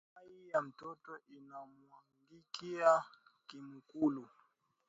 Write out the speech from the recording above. Mayi ya moto ina mu mwangikia kumikulu